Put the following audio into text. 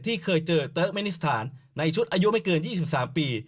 ที่เคยเจอเตอร์เมนิสถานในชุดอายุไม่เกิน๒๓ปี